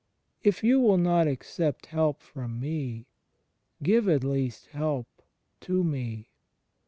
"If you will not accept help from me, give at least help to me.